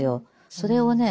それをね